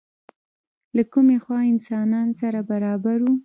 له کومې خوا انسانان سره برابر وو؟